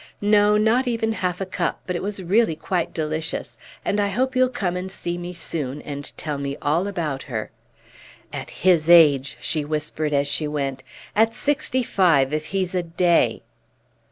"No, not even half a cup; but it was really quite delicious; and I hope you'll come and see me soon, and tell me all about her. At his age!" she whispered as she went. "At sixty five if he's a day!"